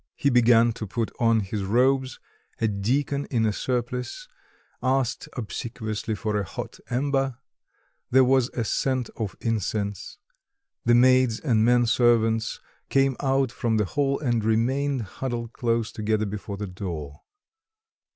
He began to put on his robes; a deacon in a surplice asked obsequiously for a hot ember; there was a scent of incense. The maids and men servants came out from the hall and remained huddled close together before the door.